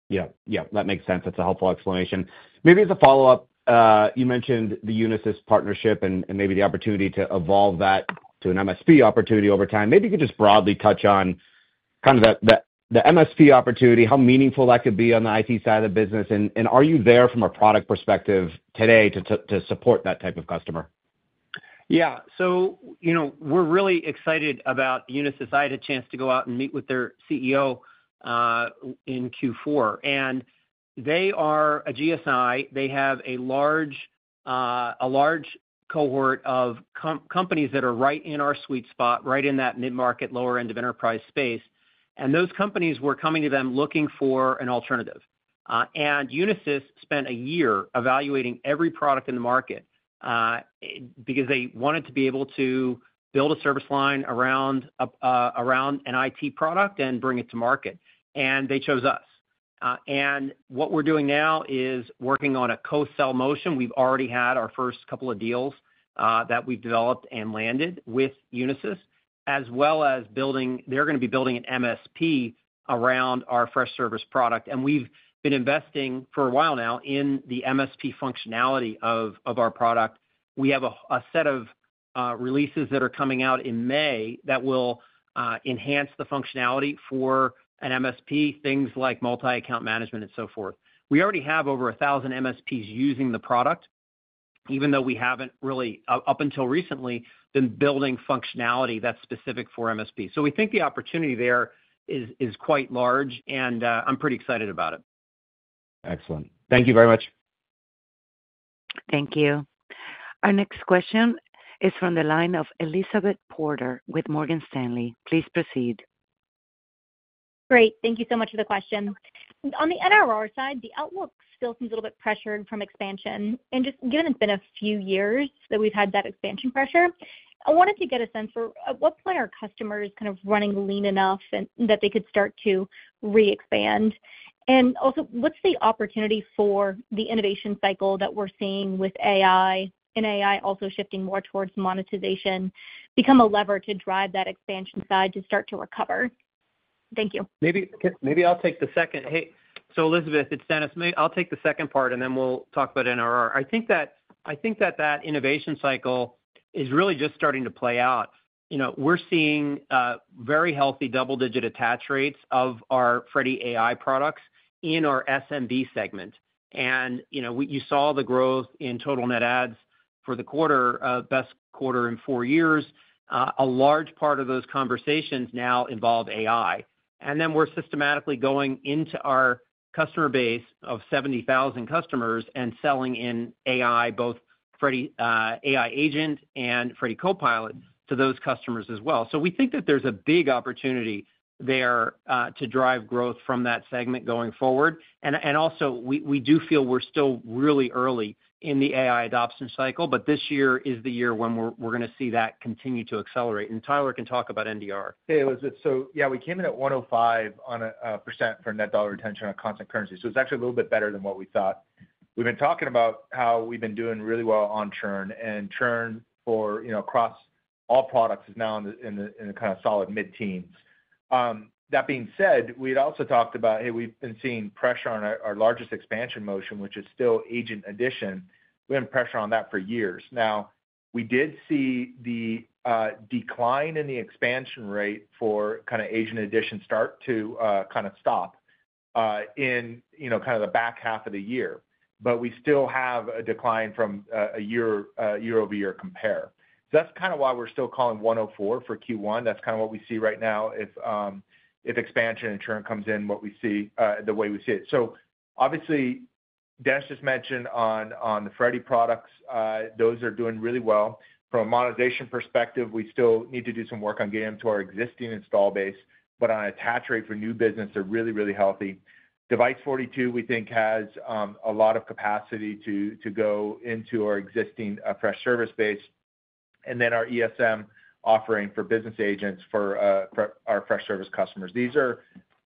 Yeah. Yeah. That makes sense. That's a helpful explanation. Maybe as a follow-up, you mentioned the Unisys partnership and maybe the opportunity to evolve that to an MSP opportunity over time. Maybe you could just broadly touch on kind of the MSP opportunity, how meaningful that could be on the IT side of the business, and are you there from a product perspective today to support that type of customer? Yeah. So we're really excited about Unisys. I had a chance to go out and meet with their CEO in Q4. And they are a GSI. They have a large cohort of companies that are right in our sweet spot, right in that mid-market, lower end of enterprise space. Those companies, we're coming to them looking for an alternative. Unisys spent a year evaluating every product in the market because they wanted to be able to build a service line around an IT product and bring it to market. They chose us. What we're doing now is working on a co-sell motion. We've already had our first couple of deals that we've developed and landed with Unisys, as well as building. They're going to be building an MSP around our Freshservice product. We've been investing for a while now in the MSP functionality of our product. We have a set of releases that are coming out in May that will enhance the functionality for an MSP, things like multi-account management and so forth. We already have over 1,000 MSPs using the product, even though we haven't really, up until recently, been building functionality that's specific for MSP. So we think the opportunity there is quite large, and I'm pretty excited about it. Excellent. Thank you very much. Thank you. Our next question is from the line of Elizabeth Porter with Morgan Stanley. Please proceed. Great. Thank you so much for the question. On the NRR side, the outlook still seems a little bit pressured from expansion, and just given it's been a few years that we've had that expansion pressure, I wanted to get a sense for at what point are customers kind of running lean enough that they could start to re-expand? And also, what's the opportunity for the innovation cycle that we're seeing with AI and AI also shifting more towards monetization become a lever to drive that expansion side to start to recover? Thank you. Maybe I'll take the second. Hey, so Elizabeth, it's Dennis. I'll take the second part, and then we'll talk about NRR. I think that that innovation cycle is really just starting to play out. We're seeing very healthy double-digit attach rates of our Freddy AI products in our SMB segment. And you saw the growth in total net adds for the quarter, best quarter in four years. A large part of those conversations now involve AI. And then we're systematically going into our customer base of 70,000 customers and selling in AI, both Freddy AI Agent and Freddy Copilot, to those customers as well. So we think that there's a big opportunity there to drive growth from that segment going forward. And also, we do feel we're still really early in the AI adoption cycle, but this year is the year when we're going to see that continue to accelerate. And Tyler can talk about NDR. Hey, Elizabeth. So yeah, we came in at 105% for net dollar retention on a constant currency. So it's actually a little bit better than what we thought. We've been talking about how we've been doing really well on churn, and churn for across all products is now in the kind of solid mid-teens. That being said, we had also talked about, hey, we've been seeing pressure on our largest expansion motion, which is still agent addition. We've been pressuring on that for years. Now, we did see the decline in the expansion rate for kind of agent addition start to kind of stop in kind of the back half of the year, but we still have a decline from a year-over-year compare, so that's kind of why we're still calling 104 for Q1. That's kind of what we see right now if expansion and churn comes in what we see, the way we see it, so obviously, Dennis just mentioned on the Freddy products, those are doing really well. From a monetization perspective, we still need to do some work on getting them to our existing install base, but on attach rate for new business, they're really, really healthy. Device42, we think, has a lot of capacity to go into our existing Freshservice base, and then our ESM offering for business agents for our Freshservice customers. These are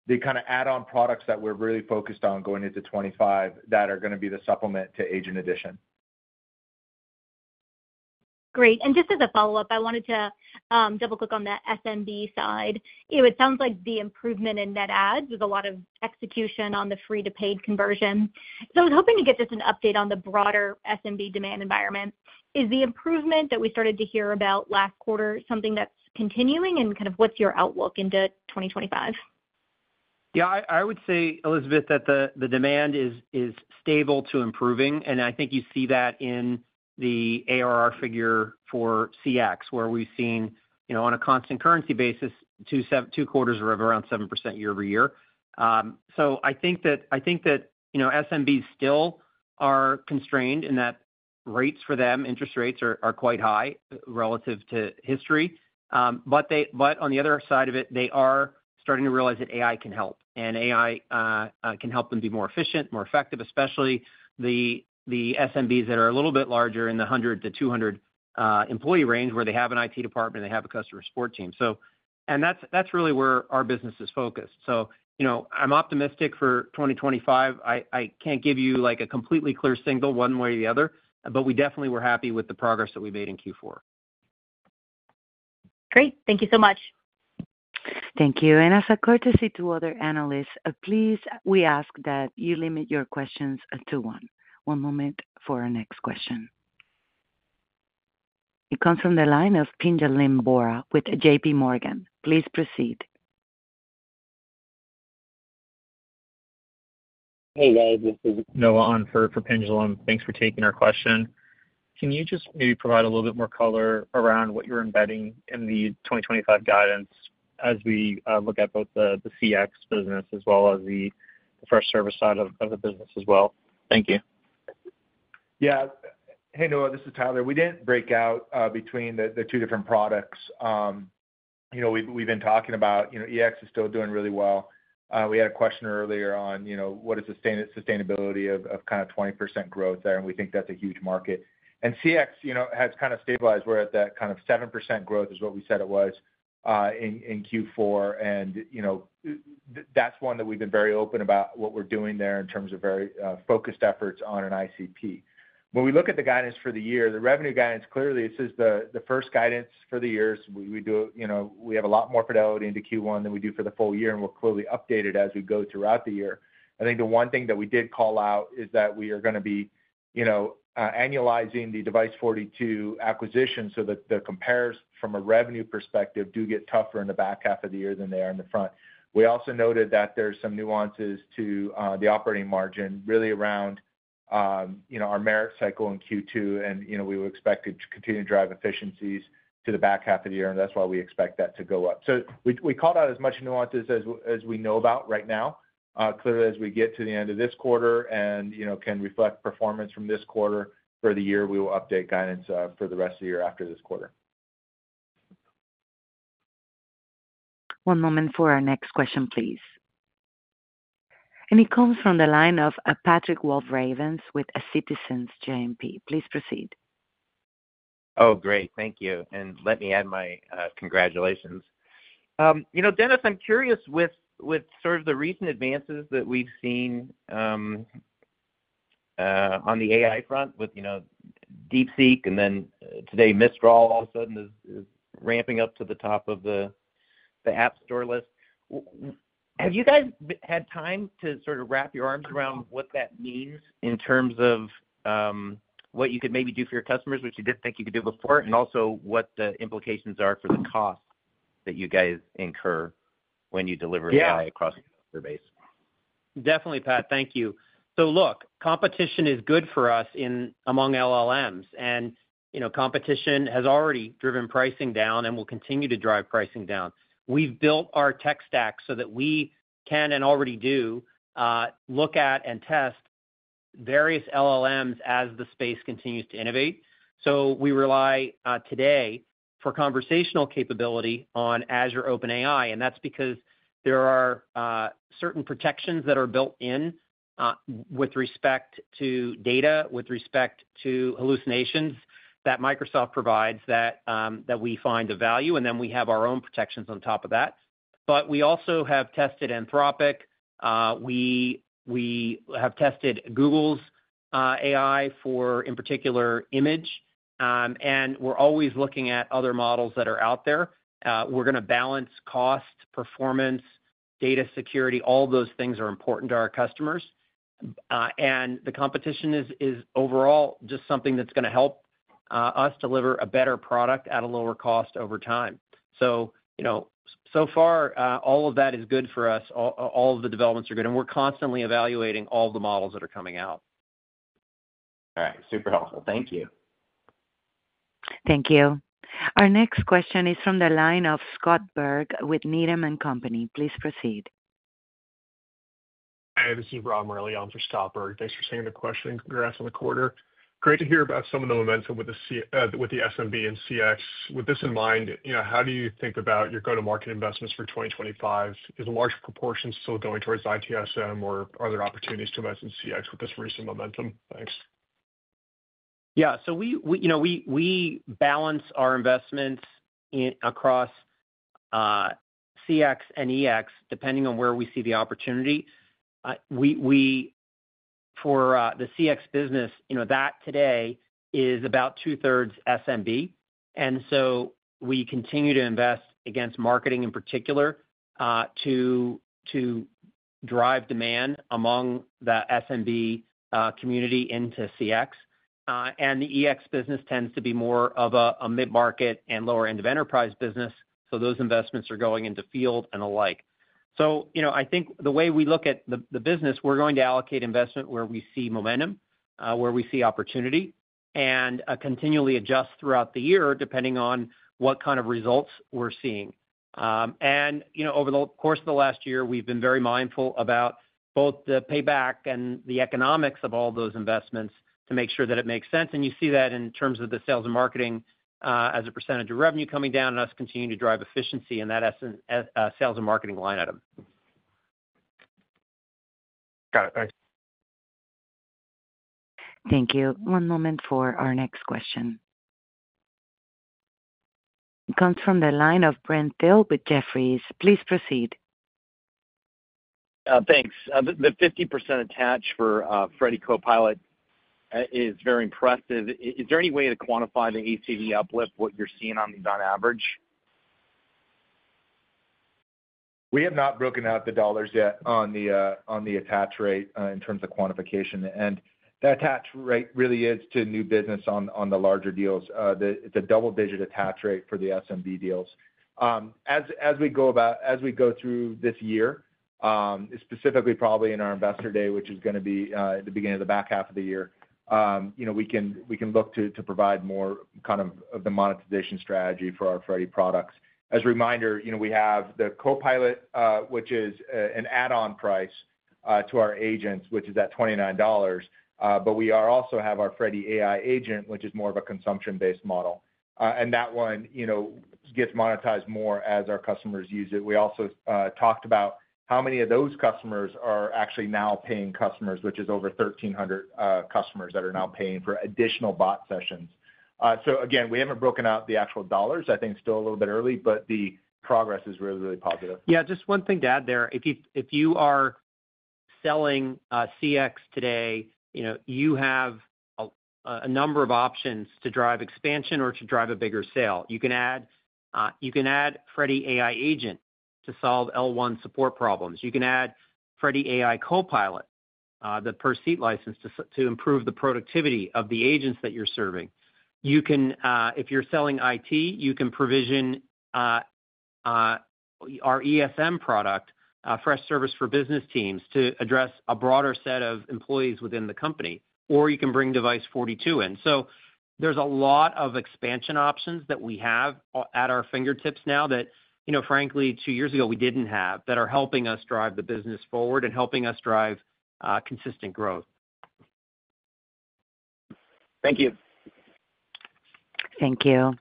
the kind of add-on products that we're really focused on going into 2025 that are going to be the supplement to agent addition. Great. And just as a follow-up, I wanted to double-click on that SMB side. It sounds like the improvement in net adds with a lot of execution on the free-to-paid conversion. So I was hoping to get just an update on the broader SMB demand environment. Is the improvement that we started to hear about last quarter something that's continuing, and kind of what's your outlook into 2025? Yeah. I would say, Elizabeth, that the demand is stable to improving, and I think you see that in the ARR figure for CX, where we've seen on a constant currency basis, two quarters in a row of around 7% year-over-year. So I think that SMBs still are constrained in that rates for them, interest rates, are quite high relative to history. But on the other side of it, they are starting to realize that AI can help, and AI can help them be more efficient, more effective, especially the SMBs that are a little bit larger in the 100-200 employee range where they have an IT department and they have a customer support team. And that's really where our business is focused. So I'm optimistic for 2025. I can't give you a completely clear single one way or the other, but we definitely were happy with the progress that we made in Q4. Great. Thank you so much. Thank you. And as a courtesy to other analysts, please, we ask that you limit your questions to one. One moment for our next question. It comes from the line of Pinjalim Bora with J.P. Morgan. Please proceed. Hey, guys. This is Noah Unford for Pinjalim. Thanks for taking our question. Can you just maybe provide a little bit more color around what you're embedding in the 2025 guidance as we look at both the CX business as well as the Freshservice side of the business as well? Thank you. Yeah. Hey, Noah. This is Tyler. We didn't break out between the two different products. We've been talking about EX is still doing really well. We had a question earlier on what is the sustainability of kind of 20% growth there, and we think that's a huge market, and CX has kind of stabilized. We're at that kind of 7% growth, is what we said it was in Q4, and that's one that we've been very open about what we're doing there in terms of very focused efforts on an ICP. When we look at the guidance for the year, the revenue guidance, clearly, it says the first guidance for the year is we do have a lot more fidelity into Q1 than we do for the full year, and we'll clearly update it as we go throughout the year. I think the one thing that we did call out is that we are going to be annualizing the Device42 acquisition so that the compares from a revenue perspective do get tougher in the back half of the year than they are in the front. We also noted that there are some nuances to the operating margin really around our merit cycle in Q2, and we were expected to continue to drive efficiencies to the back half of the year, and that's why we expect that to go up. So we called out as much nuances as we know about right now. Clearly, as we get to the end of this quarter and can reflect performance from this quarter for the year, we will update guidance for the rest of the year after this quarter. One moment for our next question, please. And it comes from the line of Patrick Walravens with Citizens JMP. Please proceed. Oh, great. Thank you. And let me add my congratulations. Dennis, I'm curious with sort of the recent advances that we've seen on the AI front with DeepSeek and then today, Mistral all of a sudden is ramping up to the top of the App Store list. Have you guys had time to sort of wrap your arms around what that means in terms of what you could maybe do for your customers, which you didn't think you could do before, and also what the implications are for the cost that you guys incur when you deliver AI across the customer base? Definitely, Pat. Thank you. So look, competition is good for us among LLMs, and competition has already driven pricing down and will continue to drive pricing down. We've built our tech stack so that we can and already do look at and test various LLMs as the space continues to innovate. So we rely today for conversational capability on Azure OpenAI, and that's because there are certain protections that are built in with respect to data, with respect to hallucinations that Microsoft provides that we find of value, and then we have our own protections on top of that. But we also have tested Anthropic. We have tested Google's AI for, in particular, Imagen, and we're always looking at other models that are out there. We're going to balance cost, performance, data security. All those things are important to our customers, and the competition is overall just something that's going to help us deliver a better product at a lower cost over time. So far, all of that is good for us. All of the developments are good, and we're constantly evaluating all the models that are coming out. All right. Super helpful. Thank you. Thank you. Our next question is from the line of Scott Berg with Needham & Company. Please proceed. Hey, this is Rob Morelli. I'm for Scott Berg. Thanks for sending the question. Congrats on the quarter. Great to hear about some of the momentum with the SMB and CX. With this in mind, how do you think about your go-to-market investments for 2025? Is a large proportion still going towards ITSM, or are there opportunities to invest in CX with this recent momentum? Thanks. Yeah. So we balance our investments across CX and EX depending on where we see the opportunity. For the CX business, that today is about two-thirds SMB, and so we continue to invest against marketing in particular to drive demand among that SMB community into CX. And the EX business tends to be more of a mid-market and lower-end of enterprise business, so those investments are going into field and the like. So I think the way we look at the business, we're going to allocate investment where we see momentum, where we see opportunity, and continually adjust throughout the year depending on what kind of results we're seeing. And over the course of the last year, we've been very mindful about both the payback and the economics of all those investments to make sure that it makes sense. And you see that in terms of the sales and marketing as a percentage of revenue coming down and us continuing to drive efficiency in that sales and marketing line item. Got it. Thanks. Thank you. One moment for our next question. It comes from the line of Brent Thill with Jefferies. Please proceed. Thanks. The 50% attach for Freddy Copilot is very impressive. Is there any way to quantify the ECD uplift, what you're seeing on average? We have not broken out the dollars yet on the attach rate in terms of quantification, and the attach rate really is to new business on the larger deals. It's a double-digit attach rate for the SMB deals. As we go about, as we go through this year, specifically probably in our investor day, which is going to be at the beginning of the back half of the year, we can look to provide more kind of the monetization strategy for our Freddy products. As a reminder, we have the Copilot, which is an add-on price to our agents, which is at $29, but we also have our Freddy AI Agent, which is more of a consumption-based model. That one gets monetized more as our customers use it. We also talked about how many of those customers are actually now paying customers, which is over 1,300 customers that are now paying for additional bot sessions. Again, we haven't broken out the actual dollars. I think it's still a little bit early, but the progress is really, really positive. Yeah. Just one thing to add there. If you are selling CX today, you have a number of options to drive expansion or to drive a bigger sale. You can add Freddy AI Agent to solve L1 support problems. You can add Freddy AI Copilot, the per-seat license, to improve the productivity of the agents that you're serving. If you're selling IT, you can provision our ESM product, Freshservice for Business Teams, to address a broader set of employees within the company, or you can bring Device42 in. So there's a lot of expansion options that we have at our fingertips now that, frankly, two years ago we didn't have that are helping us drive the business forward and helping us drive consistent growth. Thank you. Thank you.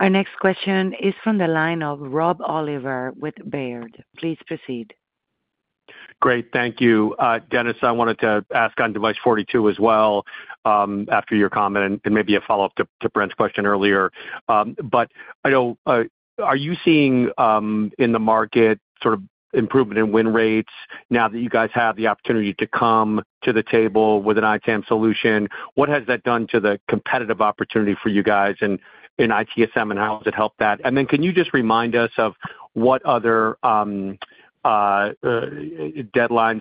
Our next question is from the line of Rob Oliver with Baird. Please proceed. Great. Thank you. Dennis, I wanted to ask on Device42 as well after your comment and maybe a follow-up to Brent's question earlier. But I know, are you seeing in the market sort of improvement in win rates now that you guys have the opportunity to come to the table with an ITAM solution? What has that done to the competitive opportunity for you guys in ITSM, and how has it helped that? And then can you just remind us of what other deadlines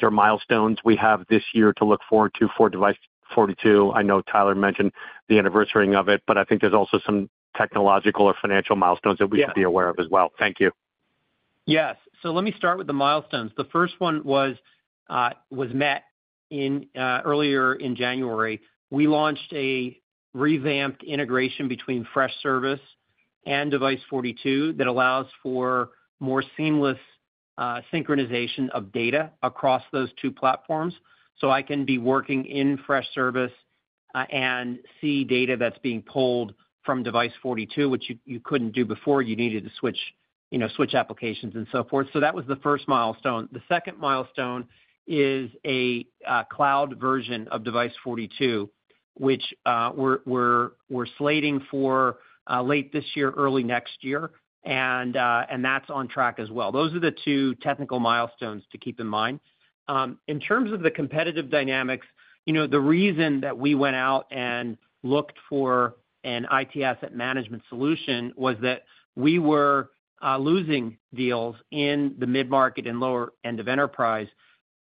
or milestones we have this year to look forward to for Device42? I know Tyler mentioned the anniversary of it, but I think there's also some technological or financial milestones that we should be aware of as well. Thank you. Yes. So let me start with the milestones. The first one was met earlier in January. We launched a revamped integration between Freshservice and Device42 that allows for more seamless synchronization of data across those two platforms. So I can be working in Freshservice and see data that's being pulled from Device42, which you couldn't do before. You needed to switch applications and so forth. So that was the first milestone. The second milestone is a cloud version of Device42, which we're slating for late this year, early next year, and that's on track as well. Those are the two technical milestones to keep in mind. In terms of the competitive dynamics, the reason that we went out and looked for an IT asset management solution was that we were losing deals in the mid-market and lower end of enterprise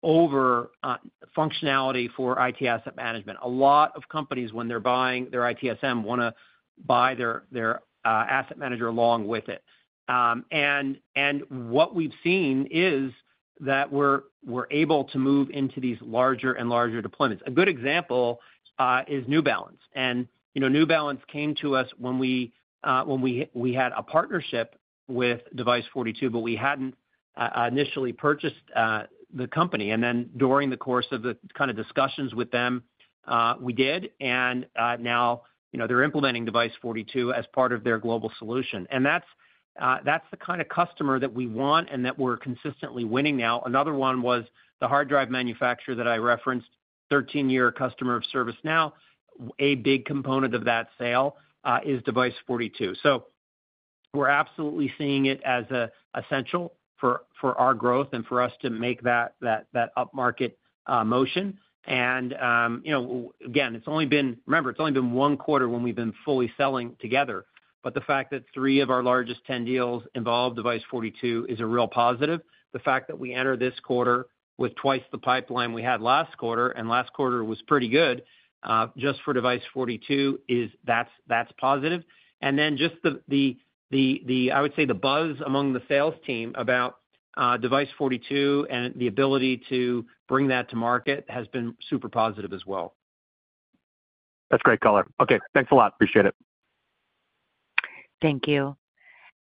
over functionality for IT asset management. A lot of companies, when they're buying their ITSM, want to buy their asset manager along with it. And what we've seen is that we're able to move into these larger and larger deployments. A good example is New Balance. And New Balance came to us when we had a partnership with Device42, but we hadn't initially purchased the company. And then during the course of the kind of discussions with them, we did, and now they're implementing Device42 as part of their global solution. And that's the kind of customer that we want and that we're consistently winning now. Another one was the hard drive manufacturer that I referenced, 13-year customer of ServiceNow. A big component of that sale is Device42. So we're absolutely seeing it as essential for our growth and for us to make that upmarket motion. And again, it's only been, remember, it's only been one quarter when we've been fully selling together. But the fact that three of our largest 10 deals involve Device42 is a real positive. The fact that we enter this quarter with twice the pipeline we had last quarter, and last quarter was pretty good just for Device42, that's positive. And then just the, I would say, the buzz among the sales team about Device42 and the ability to bring that to market has been super positive as well. That's great, Calla. Okay. Thanks a lot. Appreciate it. Thank you.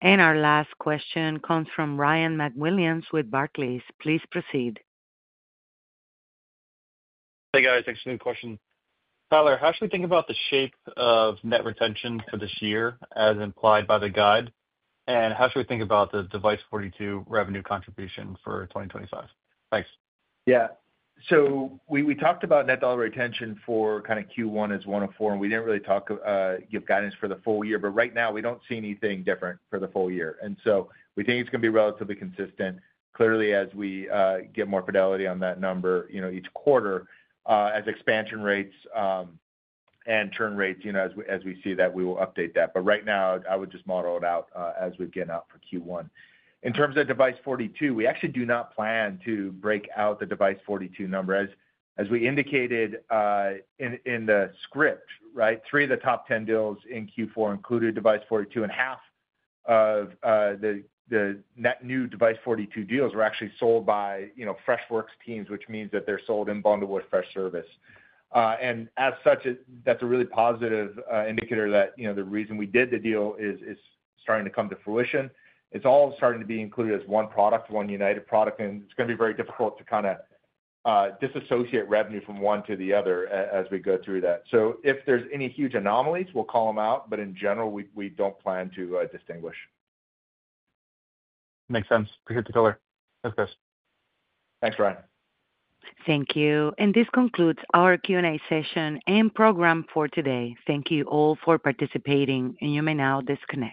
And our last question comes from Ryan MacWilliams with Barclays. Please proceed. Hey, guys. Excellent question. Tyler, how should we think about the shape of net retention for this year as implied by the guide? And how should we think about the Device42 revenue contribution for 2025? Thanks. Yeah. So we talked about net dollar retention for kind of Q1 as 104%, and we didn't really talk, give guidance for the full year. But right now, we don't see anything different for the full year. And so we think it's going to be relatively consistent. Clearly, as we get more fidelity on that number each quarter, as expansion rates and churn rates, as we see that, we will update that. But right now, I would just model it out as we get out for Q1. In terms of Device42, we actually do not plan to break out the Device42 number. As we indicated in the script, right, three of the top 10 deals in Q4 included Device42, and half of the new Device42 deals were actually sold by Freshworks teams, which means that they're sold in bundle with Freshservice. And as such, that's a really positive indicator that the reason we did the deal is starting to come to fruition.It's all starting to be included as one product, one united product, and it's going to be very difficult to kind of disassociate revenue from one to the other as we go through that. So if there's any huge anomalies, we'll call them out, but in general, we don't plan to distinguish. Makes sense. Appreciate the color. Thanks, guys. Thanks, Ryan. Thank you. And this concludes our Q&A session and program for today. Thank you all for participating, and you may now disconnect.